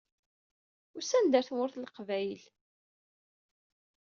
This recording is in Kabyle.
Usant-d ɣer Tmurt n Leqbayel.